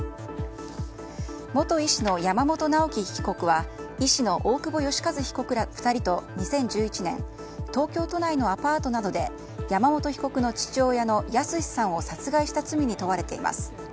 元医師の山本直樹被告は医師の大久保愉一被告ら２人と２０１１年東京都内のアパートなどで山本被告の父親の靖さんを殺害した罪に問われています。